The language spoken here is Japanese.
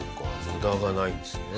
無駄がないんですね。